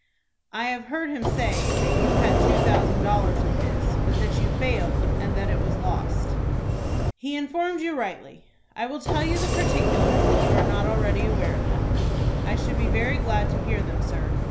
"I have heard him say that you had two thousand dollars of his, but that you failed, and that it was lost." "He informed you rightly. I will tell you the particulars, if you are not already aware of them." "I should be very glad to hear them, sir.